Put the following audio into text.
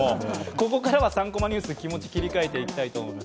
ここからは「３コマニュース」に気持ちを切り替えていきたいと思います。